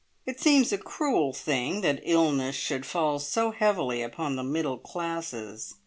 It seems a cruel thing that illness should fall so heavily upon the middle classes.